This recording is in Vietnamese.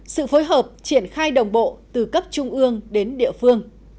sự phối hợp triển khai đồng bộ từ cấp trung ương đến địa phương